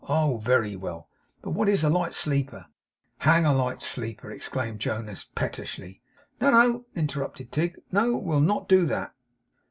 Oh, very well! But what is a light sleeper?' 'Hang a light sleeper!' exclaimed Jonas pettishly. 'No, no,' interrupted Tigg. 'No. We'll not do that.